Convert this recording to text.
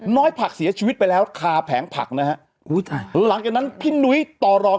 ผักเสียชีวิตไปแล้วคาแผงผักนะฮะอุ้ยหลังจากนั้นพี่นุ้ยต่อรอง